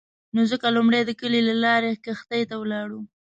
نو ځکه لومړی د کلي له لارې کښتۍ ته ولاړو.